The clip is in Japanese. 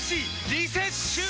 リセッシュー！